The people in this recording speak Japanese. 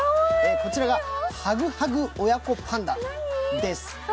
こちらがハグハグ親子パンダです。